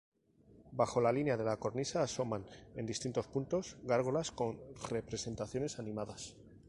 Bajo la línea de la cornisa asoman en distintos puntos gárgolas con representaciones animadas.